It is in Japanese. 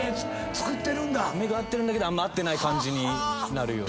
目が合ってるんだけど合ってない感じになるように。